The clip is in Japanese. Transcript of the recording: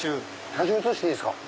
写真写していいですか？